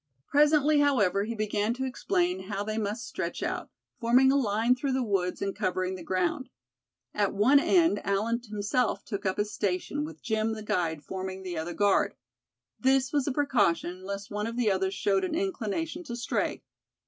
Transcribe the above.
Presently, however, he began to explain how they must stretch out, forming a line through the woods, and covering the ground. At one end Allen himself took up his station, with Jim the guide forming the other guard. This was a precaution, lest one of the others showed an inclination to stray.